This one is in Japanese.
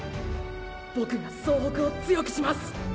ボクが総北を強くします！